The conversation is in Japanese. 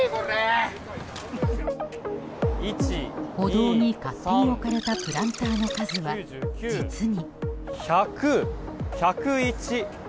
歩道に勝手に置かれたプランターの数は実に。